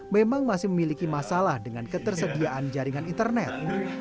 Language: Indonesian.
memang masih memiliki masalah dengan ketersediaan jaringan internet